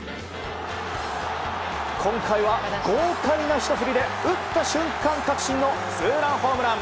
今回は豪快なひと振りで打った瞬間確信のツーランホームラン。